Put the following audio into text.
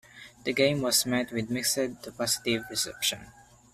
The game was met with mixed to positive reception.